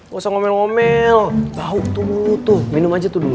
gak usah ngomel ngomel bau tuh mulu tuh minum aja tuh dulu